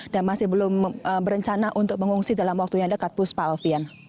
dan masih belum berencana untuk mengungsi dalam waktu yang dekat puspa alvian